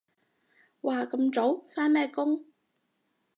哇咁早？返咩工？